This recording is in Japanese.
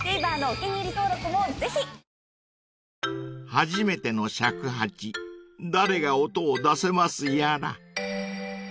［初めての尺八誰が音を出せますやら］